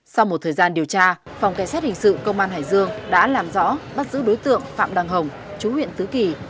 sau một thời gian điều tra phòng cảnh sát hình sự công an hải dương đã làm rõ bắt giữ đối tượng phạm đăng hồng chú huyện tứ kỳ